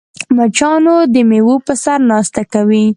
مچان د میوو په سر ناسته کوي